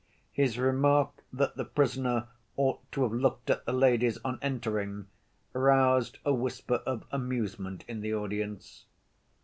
His remark that the prisoner ought to have looked at the ladies on entering roused a whisper of amusement in the audience.